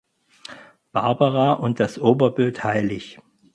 Barbara und das Oberbild hl.